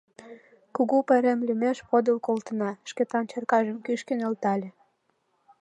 Кугу пайрем лӱмеш подыл колтена, — Шкетан чаркажым кӱшкӧ нӧлтале.